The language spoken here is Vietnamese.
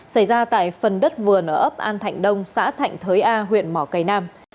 xảy ra tại phần đất vườn ở ấp an thạnh đông xã thạnh thới a huyện mỏ cầy nam